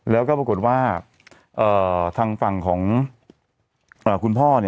แล้วก็ปรากฏว่าทางฝั่งของคุณพ่อ